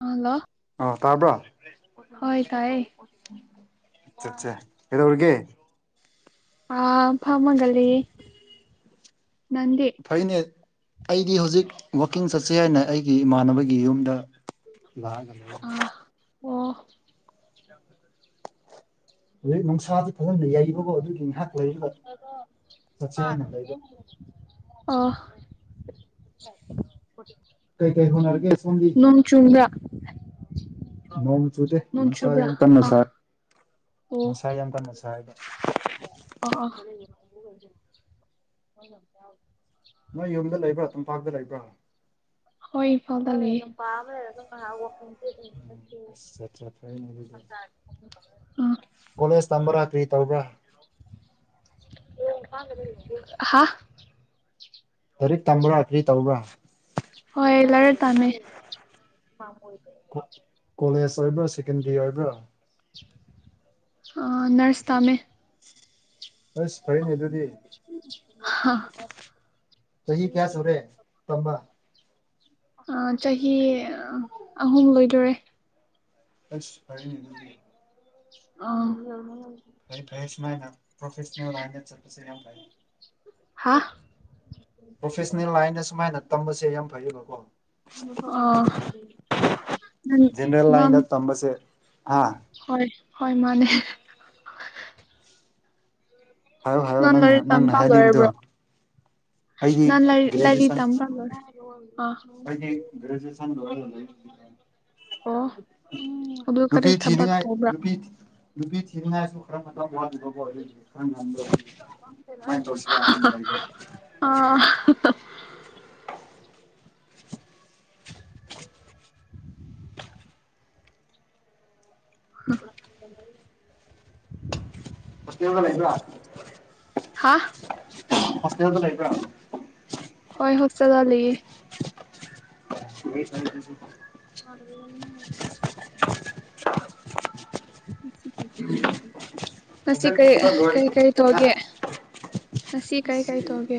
Hello. ꯇꯥꯔꯕ꯭ꯔ ꯍꯣꯏ ꯇꯥꯏꯌꯦ ꯑꯆꯥ ꯑꯠꯆꯥ ꯑꯦꯗꯣ ꯑꯣꯏꯔꯒ ꯑꯥ ꯐꯃꯒꯜꯂꯤ ꯐꯩꯅꯦ ꯑꯩꯗꯤ ꯍꯧꯖꯤꯛ ꯋꯥꯋꯀꯤꯡ ꯆꯠꯁꯤꯦ ꯍꯥꯏꯅ ꯑꯩꯒꯤ ꯏꯃꯥꯟꯅꯕꯒꯤ ꯌꯨꯝꯗ ꯂꯒ ꯑꯥ ꯑꯣ ꯅꯣꯏ ꯅꯨꯡꯁꯥꯗꯤ ꯐꯖꯅ ꯌꯩꯕꯀꯣ ꯑꯗꯨꯒꯤ ꯉꯥꯏꯍꯥꯛ ꯂꯩꯔꯒ ꯆꯠꯁꯦ ꯍꯥꯏꯅ ꯂꯩꯕ ꯑꯣ ꯀꯩ ꯀꯩ ꯍꯣꯠꯅꯔꯒꯦ ꯁꯣꯝꯗꯤ ꯅꯣꯡ ꯆꯨꯗ꯭ꯔ ꯅꯣꯡ ꯆꯨꯗꯦ ꯅꯨꯡꯁꯥ ꯌꯥꯝ ꯀꯟꯅ ꯑꯥ ꯁꯥꯏ ꯅꯨꯡꯁꯥ ꯌꯥꯝ ꯀꯟꯅ ꯁꯥꯏꯕ ꯑꯣꯑꯣ ꯀꯥꯗ ꯂꯩꯕ꯭ꯔꯥ ꯍꯣꯏ ꯏꯝꯐꯥꯜꯗ ꯂꯩꯌꯦ ꯑꯁ ꯑꯠꯆꯥ ꯐꯩꯅꯦ ꯑꯗꯨꯗꯤ ꯑꯥ ꯀꯣꯂꯦꯖ ꯇꯝꯕ꯭ꯔ ꯀ꯭ꯔꯤ ꯇꯧꯕ꯭ꯔ ꯍꯥ ꯂꯥꯏꯔꯤꯛ ꯇꯝꯕ꯭ꯔ ꯀꯔꯤ ꯇꯧꯕ꯭ꯔꯥ ꯍꯣꯏ ꯂꯥꯏꯔꯤꯛ ꯇꯝꯃꯦ ꯀꯣ ꯀꯣꯂꯦꯖ ꯑꯣꯏꯕ꯭ꯔꯣ ꯁꯦꯀꯦꯟꯗꯔꯤ ꯑꯣꯏꯕ꯭ꯔꯣ ꯑꯥ ꯅꯔꯁ ꯇꯝꯃꯦ ꯑꯁ ꯐꯩꯅꯦ ꯑꯗꯨꯗꯤ ꯍꯥ ꯆꯍꯤ ꯀꯌꯥ ꯁꯨꯔꯦ ꯇꯝꯕ ꯑ ꯆꯍꯤ ꯑꯍꯨꯝ ꯂꯣꯏꯗꯣꯔꯦ ꯑꯁ ꯐꯔꯦꯅꯦ ꯑꯗꯨꯗꯤ ꯑꯣ ꯐꯩ ꯐꯩ ꯁꯨꯃꯥꯏꯅ ꯄ꯭ꯔꯣꯐꯦꯁꯅꯦꯜ ꯂꯥꯏꯟꯗ ꯆꯠꯄꯁꯦ ꯌꯥꯝ ꯐꯩ ꯍꯥ ꯄ꯭ꯔꯣꯐꯦꯁꯅꯦꯜ ꯂꯥꯏꯟꯗ ꯁꯨꯃꯥꯏꯅ ꯇꯝꯕꯁꯦ ꯌꯥꯝ ꯐꯩꯌꯦꯕꯀꯣ ꯑꯣ ꯃꯥ ꯖꯦꯅꯔꯦꯜ ꯃꯥꯝ ꯂꯥꯏꯟꯗ ꯇꯝꯕꯁꯦ ꯑꯥ ꯍꯣꯏ ꯍꯣꯏ ꯃꯥꯅꯦ ꯍꯥꯏꯌꯣ ꯍꯥꯏꯌꯣ ꯅꯪ ꯂꯥꯏꯔꯤꯛ ꯅꯪꯅ ꯇꯝꯕ ꯍꯥꯏꯅꯤꯡꯕꯗꯣ ꯂꯣꯏꯔꯕ꯭ꯔꯣ ꯑꯩꯗꯤ ꯅꯪ ꯂꯥꯏꯔꯤꯛ ꯂꯥꯏꯔꯤꯛ ꯒ꯭ꯔꯦꯖꯨꯑꯦꯁꯟ ꯇꯝꯕ ꯂꯣꯏꯔ ꯌꯣꯏꯃ [unintelligible] ꯑꯣ ꯑꯗꯨ ꯀꯔꯤ ꯅꯨꯄꯤ ꯊꯕꯛ ꯊꯤꯅꯤꯡꯉꯥꯏ ꯇꯧꯕ꯭ꯔꯥ ꯅꯨꯄꯤ ꯊꯤ ꯅꯨꯄꯤ ꯊꯤꯅꯤꯡꯉꯥꯏꯁꯨ ꯈꯔ ꯃꯇꯝ ꯋꯥꯠꯂꯦ [unintelligible] [unintelligible] [unintelligible] ꯁ꯭ꯀꯨꯜꯗ ꯂꯩꯕ꯭ꯔ ꯍꯥ ꯍꯁꯇꯦꯜꯗ ꯂꯩꯥꯕ꯭ꯔ ꯉꯍꯥꯛꯆꯠꯂ ꯂꯩꯌꯦ [unintelligible] [unintelligible] ꯉꯁꯤ [unintelligible] ꯀꯔꯤ ꯀꯔꯤ [unintelligible] ꯁꯤ ꯀꯔꯤ ꯀꯔꯤ ꯇꯧꯒꯦ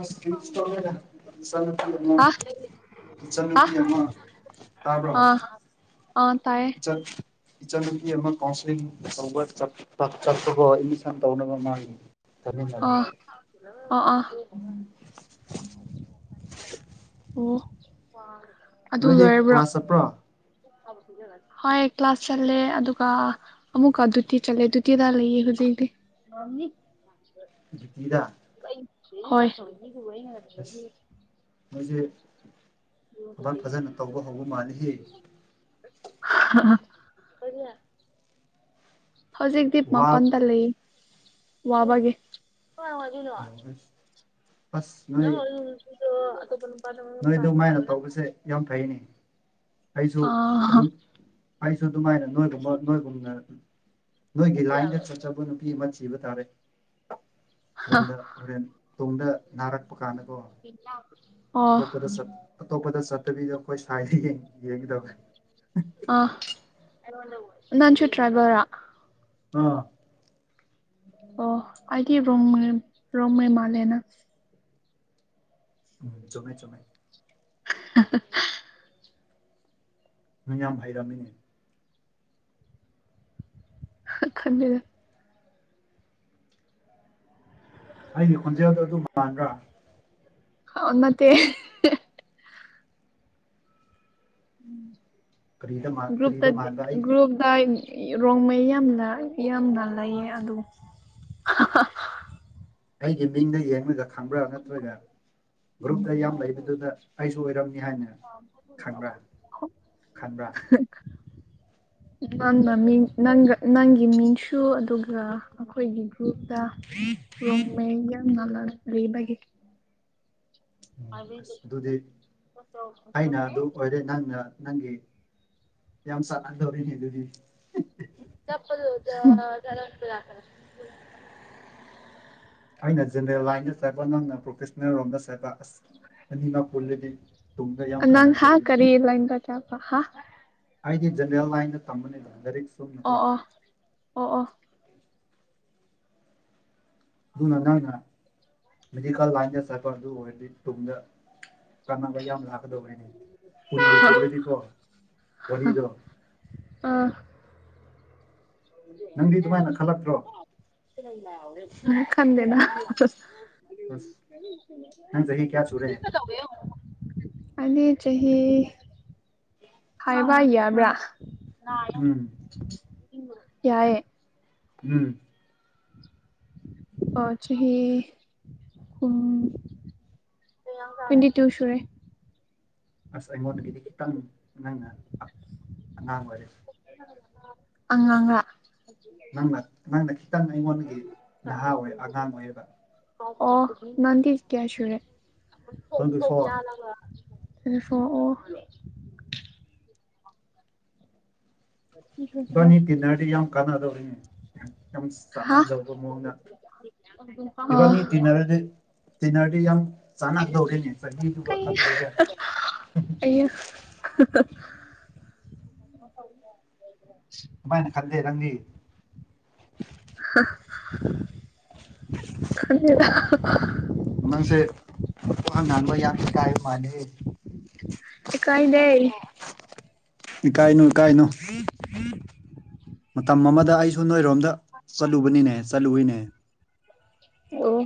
ꯑꯁ ꯀꯔꯤꯁꯨ ꯇꯧꯗꯦꯗ ꯆꯥꯅ ꯊꯛꯅꯕ ꯍꯥ ꯍꯥ ꯏꯆꯟꯅꯨꯄꯤ ꯑꯃ ꯇꯥꯕ꯭ꯔꯣ ꯑꯥ ꯑꯥ ꯇꯥꯏꯌꯦ ꯏꯆꯟ ꯅꯨꯄꯤ ꯑꯃ ꯀꯥꯎꯟꯁꯦꯂꯤꯡ ꯇꯧꯕ ꯆꯠꯄ ꯆꯠꯄ ꯀꯣ ꯑꯦꯃꯤꯁꯟ ꯇꯧꯅꯕ ꯃꯥꯒꯤ ꯇꯝꯃꯤꯟꯅꯕ ꯑꯥ ꯑꯥ ꯑꯥ ꯎꯝ ꯑꯣ ꯑꯗꯨ ꯅꯣꯏꯗꯤ ꯂꯣꯏꯔꯕ꯭ꯔꯣ ꯀ꯭ꯂꯥꯁ ꯆꯠꯄ꯭ꯔꯣ ꯍꯣꯏ ꯀ꯭ꯂꯥꯁ ꯆꯠꯂꯦ ꯑꯗꯨꯒ ꯑꯃꯨꯛꯀ ꯗꯨꯇꯤ ꯆꯠꯂꯦ ꯗꯨꯇꯤꯗ ꯂꯩꯌꯦ ꯍꯧꯖꯤꯛꯇꯤ ꯃꯝꯅꯤ ꯇꯗ ꯍꯣꯏ ꯃꯣꯏꯁꯦ ꯊꯧꯕꯥꯜ ꯐꯖꯅ ꯇꯧꯕ ꯍꯧꯕ ꯃꯥꯜꯂꯤ ꯑ ꯍꯧꯖꯤꯛꯛꯇꯗꯤ ꯋꯥ ꯃꯥꯄꯥꯟꯗ ꯂꯩ ꯋꯥꯕꯒꯤꯦ ꯑꯁ ꯅꯗ ꯑꯣ ꯅꯣꯏꯗ ꯃꯥꯏꯅ ꯇꯧꯕꯁꯦ ꯌꯥꯝ ꯐꯩꯅꯦ ꯑꯩꯁꯨ ꯑ ꯑꯗꯨꯝ ꯑꯩꯁꯨ ꯑꯗꯨꯃꯥꯏꯅ ꯅꯣꯏꯒꯨꯝꯕ ꯅꯣꯏꯒꯨꯝꯅ ꯅꯣꯏꯒꯤ ꯂꯥꯏꯗ ꯆꯠꯆꯕ ꯅꯨꯄꯤ ꯑꯃ ꯕ ꯇꯥꯔꯦ ꯍꯣꯔꯦꯟ ꯍꯣꯔꯦꯟ ꯇꯨꯡꯗ ꯅꯥꯔꯛꯄ ꯀꯥꯟꯗ ꯑꯣ ꯑꯇꯣꯞꯄꯗ ꯑꯇꯣꯞꯄꯗ ꯆꯠꯇꯕꯤꯗ ꯑꯩꯈꯣꯏ ꯁ꯭ꯏꯗ ꯌꯦꯡꯒꯗꯕꯦ ꯑ ꯅꯥꯟ ꯆꯨꯠ꯭ꯔꯥꯒꯣꯔ ꯑꯥ ꯑꯣ ꯑꯩ ꯔꯣꯡꯣꯏ ꯔꯣꯡꯣꯏꯂꯦꯅ ꯎꯝ ꯆꯃꯦ ꯆꯃꯦ [inaudible] ꯃꯤ ꯌꯥꯝ ꯍꯥꯏꯥꯏꯔꯝꯃꯤꯅꯦ ꯈꯟꯗ ꯑꯩꯒꯤ ꯈꯣꯟꯖꯦꯜꯗꯣ ꯑꯗꯨꯝ ꯃꯥꯟꯥꯟꯕ꯭ꯔꯥ ꯍꯟ ꯃ ꯃꯇꯦ ꯀꯔꯤꯗ ꯃꯥꯟ ꯭ꯔꯨꯄ ꯀꯔꯤꯗ ꯃꯥꯟꯕ ꯑꯩ ꯒ꯭ꯔꯨꯄꯗ ꯔꯣꯡꯃꯩ ꯌꯥꯝꯅ ꯌꯥꯝꯅ ꯂꯩꯌꯦ ꯑꯗꯨ ꯑꯩꯒꯤ ꯃꯤꯡꯗ ꯌꯦꯡꯂꯒ ꯈꯪꯕ꯭ꯔꯥ ꯅꯠꯇ꯭ꯔꯒ ꯒ꯭ꯔꯨꯞꯌꯥꯝ ꯂꯩꯕꯗꯨꯗ ꯑꯩꯁꯨ ꯑꯣꯏꯔꯝꯅꯤ ꯍꯥꯏꯅ ꯈꯟꯕ꯭ꯔꯥ ꯈꯟꯕ꯭ꯔꯥ ꯅꯪꯅ ꯃꯤꯡ ꯅꯪꯒ ꯅꯪꯒꯤ ꯃꯤꯡꯁꯨ ꯑꯗꯨꯒ ꯑꯩꯈꯣꯏꯒꯤ ꯔꯗ ꯔꯣꯝꯃꯦ ꯌꯥꯝ ꯌꯥꯝ ꯅ ꯂꯩꯕꯒꯤꯦ ꯎꯝ ꯑꯁ ꯑꯗꯨꯗꯤ ꯑꯩꯅ ꯑꯗꯨ ꯑꯣꯏꯔꯦ ꯅꯪꯅ ꯅꯪꯒꯤ ꯌꯥꯝ ꯆꯂꯅ ꯇꯧꯔꯤꯅꯦ ꯑꯗꯨꯗꯤ ꯆꯞꯄꯜ ꯂꯗ ꯆꯅꯄ ꯂꯔ ꯅꯪꯅ ꯖꯦꯅꯔꯦꯜ ꯂꯥꯏꯟꯗ ꯆꯠꯕ ꯅꯪꯅ ꯄ꯭ꯔꯣꯐꯦꯁꯅꯦꯜ ꯔꯣꯝꯗ ꯆꯠꯄ ꯑꯁ ꯑꯅꯤꯃꯛ ꯄꯨꯜꯂꯗꯤ ꯇꯨꯡꯗ ꯌꯥꯝ ꯅꯪ ꯍꯥ ꯀꯥꯟꯅꯒꯗꯧꯔꯤꯅꯦ ꯀꯔꯤ ꯂꯥꯏꯟꯗ ꯍꯥ ꯍꯥꯏꯗꯤ ꯖꯦꯅꯔꯦꯜ ꯂꯥꯏꯟꯗ ꯇꯝꯕꯅꯤꯅ ꯂꯥꯏꯔꯤꯛ ꯁꯨꯝꯅꯀꯣ ꯑꯣ ꯑꯣ ꯑꯣ ꯑꯣ [inaudible] [inaudible] ꯃꯦꯗꯤꯀ ꯂꯥꯏꯟꯗ ꯁꯄꯔꯗꯨ ꯑꯣꯏꯔꯗꯤ ꯇꯨꯡꯗ ꯀ ꯂ ꯗꯔꯤꯅꯤ ꯈꯨꯟꯒ ꯄꯨꯗꯅꯤꯀꯣ ꯋꯥꯔꯤꯗꯣ ꯅꯪꯗꯤ ꯑꯗꯨꯃꯥꯏꯅ ꯈꯜꯂꯛꯇ꯭ꯔꯣ [inaudible] ꯈꯝꯗꯦꯅ ꯇ ꯑꯁ ꯅꯪ ꯆꯍꯤ ꯀꯌꯥ ꯁꯨꯔꯦ ꯑꯗꯨ ꯆꯍꯤ ꯆꯍꯤ ꯍꯥꯏꯥꯏꯕ ꯏꯕ꯭ꯔꯥ ꯎꯝ ꯌꯥꯏꯦ ꯎꯝ ꯄ ꯆꯍꯤ ꯍꯨꯝ ꯇꯨꯏꯟꯇꯤꯇꯨ ꯁꯨꯔꯦ ꯑꯁ ꯑꯩꯉꯣꯟꯗꯒꯤꯗꯤ ꯈꯤꯇꯪ ꯅꯪꯅ ꯑꯉꯥꯡ ꯑꯣꯏꯔꯦ ꯑꯉꯥꯡꯉ ꯪꯅ ꯅꯪꯅ ꯈꯤꯇꯪ ꯑꯩꯉꯣꯟꯒꯤ ꯅꯍꯥ ꯑꯣꯏ ꯑꯉꯥꯡ ꯑꯣꯏꯌꯦꯕ ꯑꯣ ꯅꯪꯗꯤ ꯀꯌꯥ ꯁꯨꯨꯔꯦ ꯇ꯭ꯋꯦꯟꯇꯤ ꯐꯣꯔ ꯁꯨ ꯑꯣ ꯏꯕꯥꯅꯤ ꯇꯤꯟꯅꯔꯗꯤ ꯌꯥꯝ ꯀꯥꯟꯅꯗꯧꯔꯤꯅꯤ ꯌꯥꯝ ꯍꯥ ꯆꯠꯅꯖꯧꯕ ꯃꯑꯣꯡꯗ ꯑꯣ ꯏꯕꯥꯅꯤ ꯇꯤꯅꯔ ꯑꯗꯨ ꯇꯅꯔ ꯀꯩ ꯈꯜꯂꯨꯔꯒ ꯑꯌꯥ [unintelligible] ꯀꯃꯥꯏꯅ ꯈꯟꯗꯦ ꯔꯪꯗꯤ [inaudible] ꯅꯪꯁꯦ ꯑꯍꯥꯡ ꯉꯟꯕ ꯌꯥꯝ ꯀꯥꯏꯕ ꯃꯥꯜꯂꯤ ꯏꯀꯥꯏꯗꯦ ꯏꯀꯥꯏꯅꯨ ꯏꯀꯥꯏꯅꯨ ꯃꯇꯝ ꯑꯃꯗ ꯑꯩꯁꯨ ꯅꯣꯏꯔꯣꯝꯗ ꯆꯠꯂꯨꯕꯅꯤꯅꯦ ꯁꯂꯨꯕꯤꯅꯦ ꯑꯣ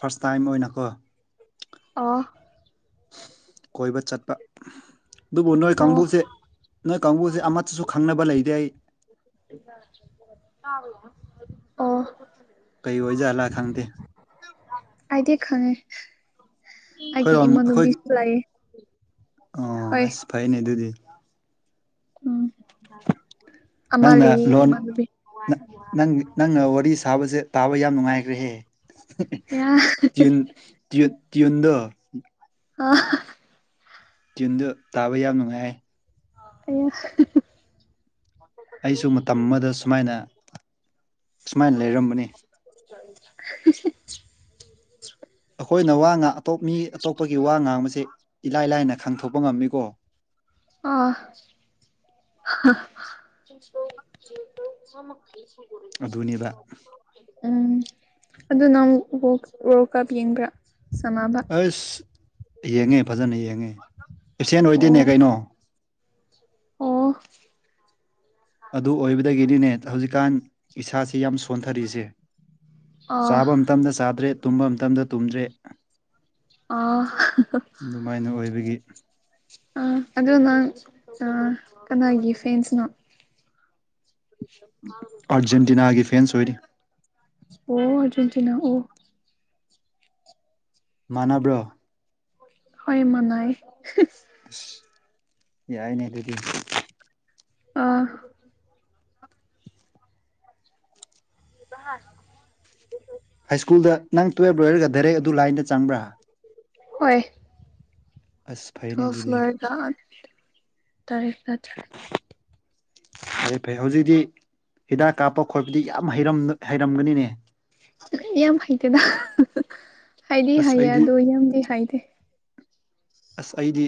ꯐꯥꯔꯁ ꯇꯥꯏꯝ ꯑꯣꯏꯅꯀꯣ ꯑ ꯀꯣꯏꯕ ꯆꯠꯄ ꯑꯗꯨꯕꯨ ꯅꯣꯏ ꯑꯣ ꯀꯥꯡꯕꯨꯁꯦ ꯅꯣꯏ ꯀꯥꯡꯕꯨꯁꯦ ꯑꯃꯠꯇꯁꯨ ꯈꯪꯅꯕ ꯂꯩꯇꯦ ꯑꯩ ꯑꯣ ꯀꯩ ꯑꯣꯏꯖꯠꯂꯥ ꯈꯪꯗꯦ ꯑꯩꯗꯤ ꯈꯪꯉꯦ ꯑꯩꯒꯤ ꯑꯩꯈꯣꯏꯔꯣꯝ ꯑꯩꯈꯣꯏꯒꯤ ꯏꯃꯥꯟꯅꯕꯤꯁꯨ ꯑꯣ ꯂꯩꯌꯦ ꯑꯁ ꯐꯩꯅꯦ ꯑꯗꯨꯗꯤ ꯎꯝ ꯑꯃ ꯅꯪꯅ ꯂꯩꯌꯦ ꯂꯣꯟ ꯏꯃꯥꯟꯅꯕꯤ ꯅꯪꯅ ꯅꯪꯅ ꯋꯥꯔꯤ ꯁ ꯊꯥꯕꯁꯦ ꯇꯥꯕ ꯌꯥꯝ ꯅꯨꯡꯉꯥꯏꯈ꯭ꯔꯦꯍꯦ ꯑꯌꯥ ꯇ꯭ꯨꯟ ꯇꯨ ꯏꯗ ꯑ ꯇ꯭ꯌꯨꯟꯗꯨ ꯇꯥꯕ ꯌꯥꯝ ꯅꯨꯡꯉꯥꯏ ꯑ ꯑꯩꯁꯨ ꯃꯇꯝ ꯑꯃꯗ ꯁꯨꯃꯥꯏꯅ ꯁꯨꯃꯥꯏꯅ ꯂꯩꯔꯝꯕꯅꯤ [inaudible] ꯑꯩꯈꯣꯏꯅ ꯋꯥ ꯉꯥꯡ ꯑꯇꯣꯞ ꯃꯤ ꯑꯇꯣꯞꯄꯒꯤ ꯋꯥ ꯉꯥꯡꯕꯁꯦ ꯏꯂꯥꯏ ꯂꯥꯏꯅ ꯈꯥꯡꯊꯣꯛꯄ ꯉꯝꯃꯤꯀꯣ ꯑ ꯆꯣ ꯁꯝꯃꯔꯤ ꯑꯗꯨꯅꯤꯗ ꯎꯝ ꯑꯗꯨ ꯅꯪ ꯋꯥꯔꯜ ꯀꯞ ꯌꯦꯡꯕ꯭ꯔꯥ ꯁꯥꯟꯅꯕ ꯑꯁ ꯌꯦꯡꯉꯦ ꯐꯖꯅ ꯌꯦꯡꯉꯦ ꯑꯦꯁꯦꯟ ꯑꯣ ꯑꯣꯏꯗꯣꯏꯅꯦ ꯀꯩꯅꯣ ꯑꯣ ꯑꯗꯨ ꯑꯣꯏꯕꯗꯒꯤꯅꯤꯅꯦ ꯍꯧꯖꯤꯛꯀꯥꯟ ꯏꯁꯥꯁ ꯌꯥꯝ ꯁꯣꯟꯊꯔꯤꯁꯦ ꯑꯥ ꯆꯥꯕ ꯃꯇꯝꯗ ꯆꯥꯗ꯭ꯔꯦ ꯇꯨꯝꯕ ꯃꯇꯝꯗ ꯇꯨꯝꯗ꯭ꯔꯦ ꯑ ꯑꯗꯨꯃꯥꯏꯅ ꯑꯣꯏꯕꯒꯤ ꯑ ꯑꯗꯣ ꯅꯪ ꯑ ꯀꯅꯥꯒꯤ ꯐꯦꯟꯁꯅꯣ ꯑꯔꯖꯦꯟꯇꯤꯅꯥ ꯍꯥꯏꯒ ꯐꯦꯟꯁ ꯑꯣꯏꯅꯤ ꯑꯣ ꯑꯔꯖꯦꯟꯇꯤꯅꯥ ꯑꯣ ꯃꯥꯟꯅꯕ꯭ꯔꯣ ꯍꯃꯅꯥꯏ ꯑꯁ ꯌꯥꯏꯏꯅꯦ ꯑꯗꯨꯗꯤ ꯑ ꯍꯥꯔ ꯍꯥꯏ ꯁ꯭ꯀꯨꯜꯗ ꯅꯪ ꯇꯨꯌꯦꯦꯜꯞ ꯂꯣꯏꯔꯒ ꯗꯥꯏꯔꯦꯛ ꯑꯗꯨ ꯂꯥꯏꯟꯗ ꯆꯪꯕ꯭ꯔꯥ ꯍꯣꯏ ꯑꯁ ꯐꯩꯅꯦ ꯊ ꯑꯗꯨꯗꯤ ꯐ꯭ꯂꯣꯔ ꯇꯔꯦ ꯅ ꯇꯔꯦ ꯐꯔꯦ ꯐꯩ ꯍꯧꯖꯤꯛꯇꯤ ꯍꯤꯗꯥꯛ ꯀꯥꯞꯄ ꯈꯣꯠꯄꯗꯤ ꯌꯥꯝ ꯍꯩꯔꯝꯒꯅꯤꯅꯦ ꯌꯥꯝ ꯍꯩꯇꯦꯗ ꯍꯥꯏꯗꯤ ꯑꯁ ꯍꯩꯌꯦ ꯑꯩꯗꯤ ꯑꯗꯣ ꯌꯥꯝꯗꯤ ꯍꯥꯏꯩꯗꯦ ꯑꯁ ꯑꯩꯗꯤ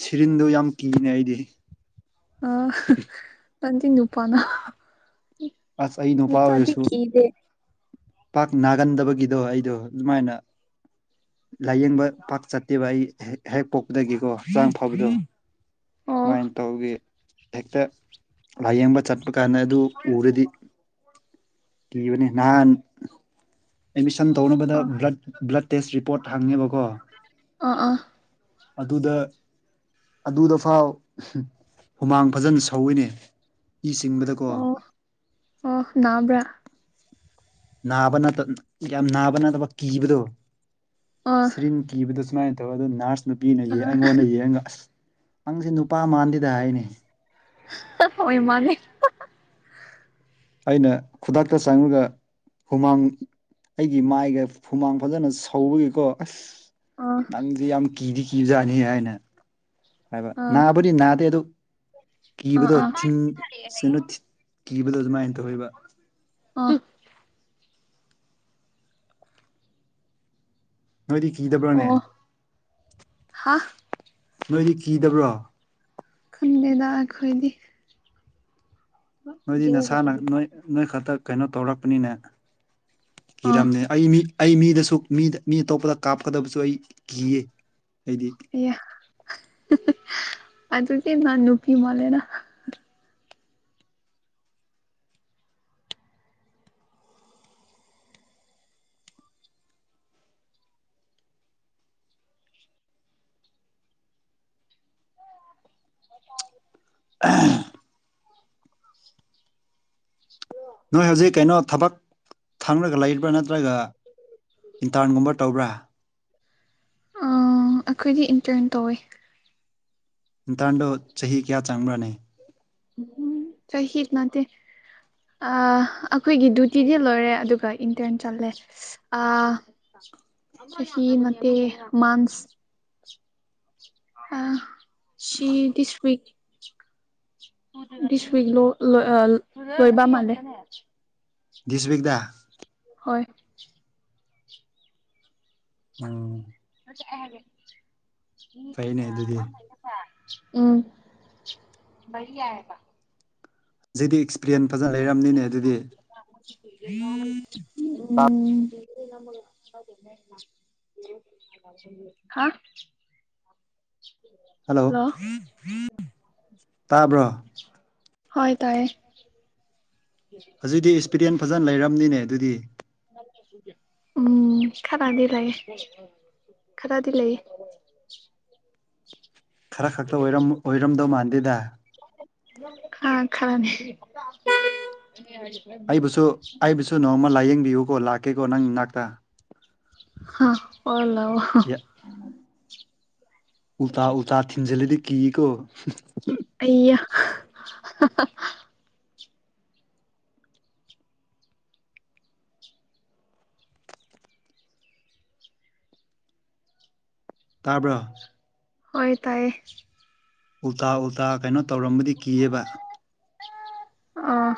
ꯁꯤꯔꯤꯟꯗꯣ ꯌꯥꯝ ꯀꯤꯅꯦ ꯑꯩꯗꯤ ꯑ ꯀꯖ ꯅꯨ ꯎꯄꯥꯥꯟꯅ ꯑꯁ ꯑꯩ ꯅꯨꯄꯥ ꯑꯣꯏꯔꯁꯨ ꯄꯥꯛ ꯅꯥꯒꯟꯗꯕꯒꯤꯗꯣ ꯑꯩꯗꯣ ꯑꯗꯨꯃꯥꯏꯅ ꯂꯥꯏꯌꯦꯡꯕ ꯄꯥꯛ ꯆꯠꯇꯦꯕ ꯑꯩ ꯍꯦꯛ ꯄꯣꯛꯄꯗꯒꯤꯀꯣ ꯍꯆꯥꯡ ꯐꯥꯎꯕꯗꯣ ꯑꯣ ꯁꯨꯃꯥꯏꯅ ꯇꯧꯒ ꯍꯦꯛꯇ ꯂꯥꯏꯌꯦꯡꯕ ꯆꯠꯄ ꯀꯥꯟꯗ ꯑꯗꯨ ꯎꯔꯗꯤ ꯀꯤꯕꯅꯤ ꯅꯍꯥꯟ. ꯑꯦꯠꯃꯤꯁꯟ ꯇꯧꯅꯕꯗ꯭ꯂ ꯑꯥ ꯕ꯭ꯂꯠ ꯇꯦꯁ ꯔꯤꯄꯣꯔꯠ ꯍꯪꯉꯦꯕꯀꯣ ꯑꯥ ꯑꯥ ꯑꯗꯨꯗ ꯑꯗꯨꯗ ꯐꯥꯎ ꯍꯨꯃꯥꯡ ꯐꯖꯅ ꯁꯧꯏꯅꯦ ꯏ ꯁꯤꯡꯕꯗꯀꯣ ꯑꯣ ꯑꯣ ꯅꯥꯕ꯭ꯔꯥ ꯅꯥꯕ ꯌꯥꯝ ꯅꯥꯕ ꯅꯠꯇꯕ ꯀꯤꯕꯗꯣ ꯑꯥ ꯁꯤꯔꯤꯟ ꯀꯤꯕꯗ ꯁꯨꯃꯥꯏꯅ ꯇꯧꯔꯒ ꯑꯗꯨ ꯅꯔꯁ ꯅꯨꯄꯤꯅ ꯑꯩꯉꯣꯟꯗ ꯌꯦꯡꯉꯒ ꯑꯁ ꯅꯪꯁꯦ ꯅꯨꯄꯥ ꯃꯥꯟꯗꯗ ꯍꯥꯏꯅꯤ ꯍ ꯏꯃꯅꯤ ꯑꯩꯅ ꯈꯨꯗꯥꯛꯇ ꯆꯪꯉꯒ ꯍꯨꯃꯥꯡ ꯑꯩꯒꯤ ꯃꯥꯏꯒ ꯍꯨꯃꯥꯡ ꯐꯖꯅ ꯁꯧꯕꯒꯤꯀꯣ ꯑꯁ ꯑꯥ ꯅꯪꯗꯤ ꯌꯥꯝ ꯀꯤꯗꯤ ꯀꯤꯖꯥꯅꯤ ꯍꯥꯏꯅ ꯍꯥꯏꯕ ꯑꯥ ꯅꯥꯕꯨꯗꯤ ꯅꯥꯗꯦ ꯑꯗꯨ ꯑꯥ ꯀꯤꯕꯗꯣ ꯑꯥ ꯊꯤꯟ ꯀꯩꯅꯣ ꯀꯤꯕꯗꯣ ꯑꯗꯨꯃꯥꯏꯅ ꯇꯧꯕ ꯑ ꯅꯣꯏꯗꯤ ꯀꯤꯗꯕ꯭ꯔꯣꯅꯦ ꯑꯣ ꯍꯥ ꯅꯣꯏꯗꯤ ꯀꯤꯗꯕ꯭ꯔꯣ ꯈꯟꯗꯦꯗ ꯑꯩꯈꯣꯏꯗꯤ ꯅꯣꯏꯗꯤ ꯅꯁꯥꯅ ꯅꯣꯏ ꯅꯣꯏ ꯈꯛꯇ ꯀꯩꯅꯣ ꯇꯧꯔꯛꯄꯅꯤꯅꯦ ꯑꯥ ꯀꯤꯔꯝꯅꯦ ꯑꯩ ꯃꯤ ꯑꯩ ꯃꯤꯗꯁꯨꯗ ꯃꯤ ꯑꯇꯣꯞꯄꯗ ꯀꯥꯞꯀꯗꯕꯁꯨ ꯑꯩ ꯀꯤꯌꯦ ꯍꯥꯏꯗꯤ ꯌꯥ ꯑꯗꯨꯗꯤ ꯅꯥꯟ ꯅꯨꯄꯤ ꯃꯥꯜꯂꯦꯅ [inaudible] [inaudible] ꯅꯣꯏ ꯍꯧꯖꯤꯛ ꯀꯩꯅꯣ ꯊꯕꯛ ꯈꯪꯔꯒ ꯂꯩꯕ꯭ꯔꯥ ꯅꯠꯇ꯭ꯔꯒ ꯏꯟꯇꯔꯟꯒꯨꯝꯕ ꯇꯧꯕ꯭ꯔꯥ ꯑꯩꯈꯣꯏꯗꯤ ꯏꯟꯇꯔꯟ ꯇꯧꯋꯤ ꯟꯇꯥꯟꯗꯣ ꯆꯍꯤ ꯀꯌꯥ ꯆꯪꯕ꯭ꯔꯥꯅꯤ ꯎꯝ ꯆꯍꯤꯍꯤ ꯏꯗꯅꯥꯗꯤ ꯑꯩꯈꯣꯏꯒꯤ ꯗꯗꯨꯌꯨꯇꯤꯗꯤ ꯂꯣꯏꯔꯦ ꯑꯗꯨꯒ ꯏꯟꯇꯔꯟ ꯆꯠꯂꯦ ꯅꯦ ꯃꯥꯟꯁ ꯑ ꯁꯤ ꯗꯤꯁ ꯎꯏꯛ ꯁ ꯄꯒꯂꯣ ꯂ ꯂꯣꯏꯕꯥ ꯃꯂꯦ ꯗꯤꯁꯕꯤꯒꯗꯥ ꯍꯣꯏ ꯎꯝ ꯐꯩꯅꯦ ꯑꯗꯨꯗꯤ ꯅꯥꯏꯅꯄꯥ ꯎꯝ [unintelligible] ꯖꯤꯗꯤ ꯑꯦꯛꯞꯂꯦꯟ ꯐꯖꯅ ꯂꯩꯔꯝꯅꯤꯅꯦ ꯑꯗꯨꯗꯤ ꯎꯝ [inaudible] [inaudible] ꯍꯜꯂꯣ ꯇꯥꯕ꯭ꯔꯣ ꯍꯣꯏ ꯇꯥꯏꯌꯦ ꯍꯧꯖꯤꯛꯇꯤ ꯑꯦꯛꯁꯄꯤꯔꯦꯟ ꯐꯖꯅ ꯂꯩꯔꯝꯅꯤꯅꯦ ꯑꯗꯨꯗꯤ ꯎꯝ ꯎꯝ ꯈꯔꯗꯤ ꯂꯩꯥꯏ ꯈꯔꯗꯤ ꯂꯩꯥꯏ ꯈꯔ ꯈꯛꯇ ꯑꯣꯏꯔꯝꯗꯧ ꯃꯥꯟꯗꯦꯗ ꯈ ꯈꯔꯅꯤ ꯑꯩꯕꯨꯁꯨ ꯑꯩꯕꯨꯁꯨ ꯅꯣꯡꯃ ꯂꯥꯏꯌꯦꯡꯕꯤꯌꯨꯀꯣ ꯂꯥꯛꯀꯦꯀꯣ ꯅꯪ ꯏꯅꯥꯛꯇ ꯍ ꯄꯔꯂ ꯌꯦꯠ ꯎꯇꯥ ꯎꯇꯥ ꯊꯤꯖꯦꯂꯗꯤ ꯀ ꯀꯣ ꯑꯌꯥ ꯇꯥꯕ꯭ꯔꯥ ꯍꯣꯏ ꯇꯥꯏꯌꯦ ꯎꯜꯇꯥ ꯎꯜꯇꯥ ꯀꯩꯅꯣ ꯇꯧꯔꯝꯕꯗꯤ ꯀꯤꯑꯕ ꯑꯥ